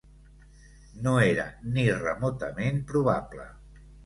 No era ni remotament probable.